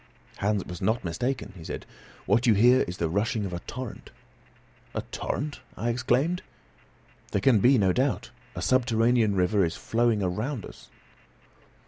"Hans was not mistaken," he said. "What you hear is the rushing of a torrent." "A torrent?" I exclaimed. "There can be no doubt; a subterranean river is flowing around us."